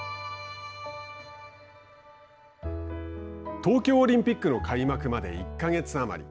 東京オリンピックの開幕まで１か月余り。